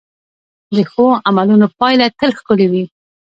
د ښو عملونو پایله تل ښکلې وي.